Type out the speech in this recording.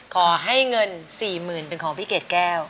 ขอให้เงิน๔๐๐๐เป็นของพี่เกดแก้ว